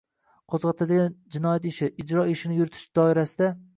qo‘zg‘atilgan jinoyat ishi, ijro ishini yuritish doirasida